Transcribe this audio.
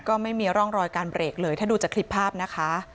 ก็ไม่มีร่องรอยการเบรกเลยถ้าดูจากคลิปภาพนะคะ